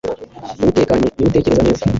utekanye niwe utekereza neza